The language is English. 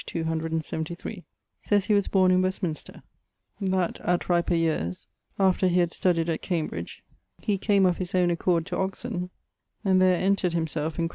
273, sayes he was borne in Westminster: that (at riper yeares) after he had studied at Cambridge he came of his owne accord to Oxon and there entred himselfe in Ch.